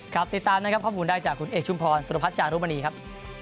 ติดตามนะครับข้อมูลได้จากคุณเอกชุมพรสุรพัฒน์จารุมณีครับ